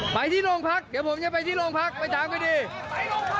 ไปที่โรงพักเดี๋ยวผมจะไปที่โรงพักไปถามเขาดี